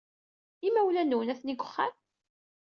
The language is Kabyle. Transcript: Imawlan-nwen atni deg uxxam?